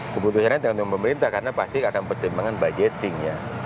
keputusannya tergantung pemerintah karena pasti akan pertimbangan budgeting ya